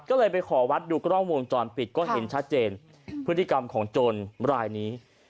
ก็เลยไปขอวัดดูกล้องวงจรปิดก็เห็นชัดเจนพฤติกรรมของโจรรายนี้